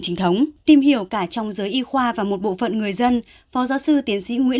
trinh thống tìm hiểu cả trong giới y khoa và một bộ phận người dân phó giáo sư tiến sĩ nguyễn